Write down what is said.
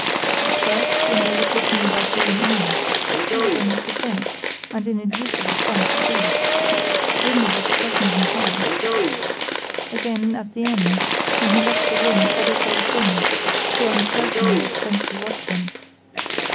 "First, when they were talking about you and me. He was on his defence, and in a deuce of a funk, too. Böhme was pressing him hard. Again, at the end, when he left the room followed by Grimm, who I'm certain was sent to watch him.